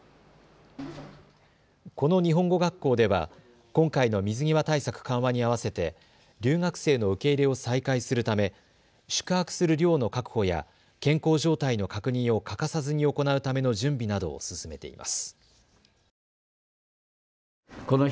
この日本語学校では今回の水際対策緩和に合わせて留学生の受け入れを再開するため宿泊する寮の確保や健康状態の確認を欠かさずに行うための準備などを進めています。